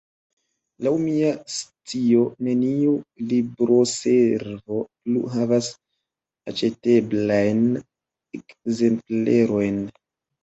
Laŭ mia scio neniu libroservo plu havas aĉeteblajn ekzemplerojn.